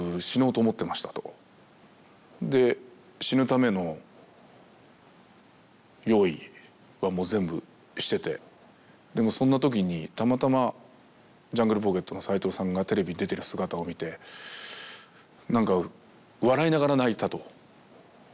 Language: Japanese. で死ぬための用意は全部しててでもそんなときにたまたまジャングルポケットの斉藤さんがテレビ出てる姿を見てなんか笑いながら泣いたと。